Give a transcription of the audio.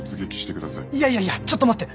いやいやいやちょっと待って！